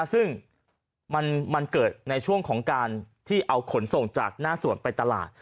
ซึ่งมันเกิดในช่วงของการที่เอาขนส่งจากหน้าสวนไปตลาด